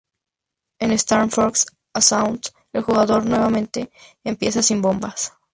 En "Star Fox: Assault", el jugador nuevamente empezaba sin bombas.